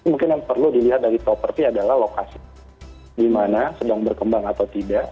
mungkin yang perlu dilihat dari properti adalah lokasi di mana sedang berkembang atau tidak